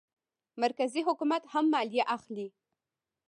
مرکزي حکومت هم مالیه اخلي.